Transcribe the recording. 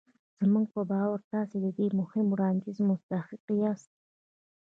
زموږ په باور تاسې د دې مهم وړانديز مستحق ياست.